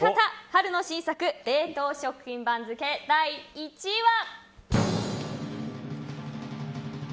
春の新作冷凍食品番付第１位は。